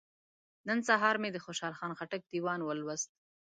نن سهار مې د خوشحال خان خټک دیوان ولوست.